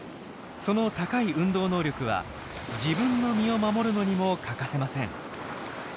その高い運動能力は自分の身を守るのにも欠かせません。